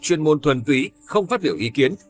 chuyên môn thuần túy không phát biểu ý kiến